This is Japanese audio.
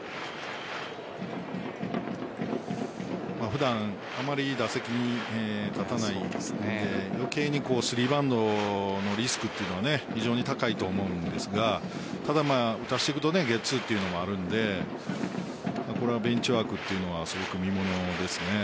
普段あまり打席に立たないので余計にスリーバントのリスクは非常に高いと思うんですが打たせていくとゲッツーというのもあるのでベンチワークはすごく見ものですよね。